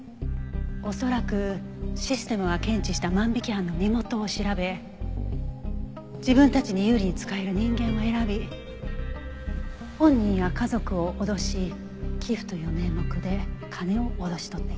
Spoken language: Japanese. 恐らくシステムが検知した万引き犯の身元を調べ自分たちに有利に使える人間を選び本人や家族を脅し寄付という名目で金を脅し取っていた。